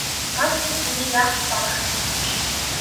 Ганц нэг хүний яавч барах асуудал биш.